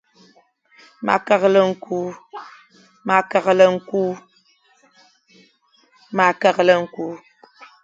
Ma keghle nku.